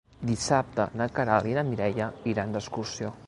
Dissabte na Queralt i na Mireia iran d'excursió.